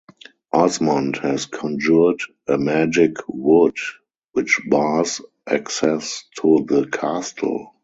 Osmond has conjured a "Magick Wood" which bars access to the castle.